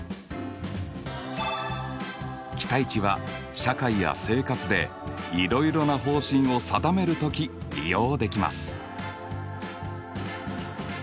期待値は社会や生活でいろいろな方針を定める時利用できます。